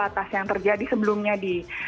atas yang terjadi sebelumnya di